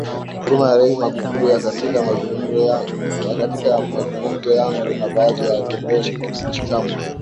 huruma ya Rais Magufuli ya Katika mazungumzo yangu na baadhi ya viongozi wa Chama